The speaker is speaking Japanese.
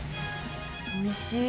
おいしい。